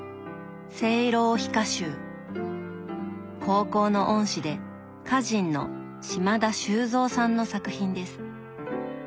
高校の恩師で歌人の島田修三さんの作品です。